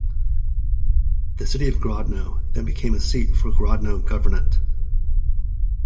The city of Grodno then became a seat for Grodno Governorate.